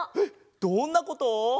どんなこと？